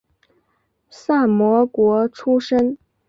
萨摩国出身。